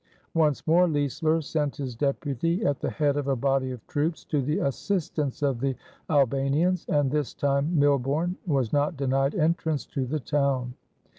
Once more Leisler sent his deputy at the head of a body of troops to the assistance of the Albanians, and this time Milborne was not denied entrance to the town.